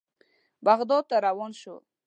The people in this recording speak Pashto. بغداد ته روان شوو.